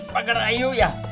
pagar ayu ya